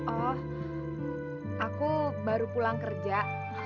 oh aku baru pulang kerja